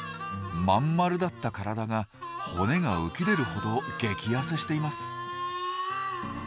まんまるだった体が骨が浮き出るほど激ヤセしています。